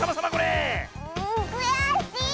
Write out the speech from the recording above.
くやしい！